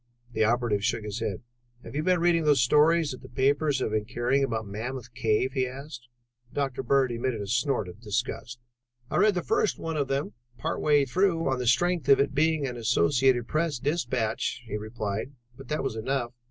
The operative shook his head. "Have you been reading those stories that the papers have been carrying about Mammoth Cave?" he asked. Dr. Bird emitted a snort of disgust. "I read the first one of them part way through on the strength of its being an Associated Press dispatch," he replied, "but that was enough.